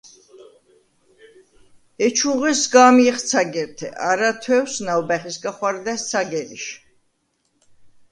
ეჩუნღო სგა̄მიეხ ცაგერთე. არა თუ̂ეუ̂ს ნაუ̂ბა̈ხისგა ხუ̂არდა̈ს ცაგერიშ.